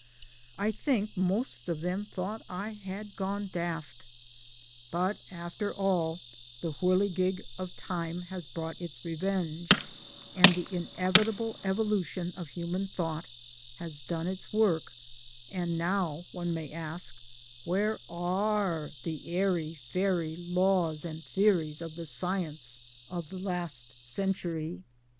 I think most of them thought I had gone daft I But, after all, the whirligig of Time has brought its revenge, and the inevitable evolution of human thought has done its work ; and now, one may ask, where are the airy fairy laws and theories of the Science of the last 204 MY DAYS AND DREAMS century?